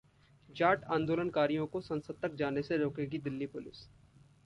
जाट आंदोलनकारियों को संसद तक जाने से रोकेगी दिल्ली पुलिस